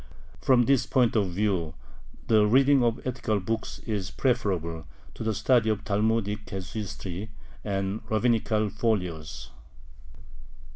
From this point of view the reading of ethical books is preferable to the study of Talmudic casuistry and rabbinical folios.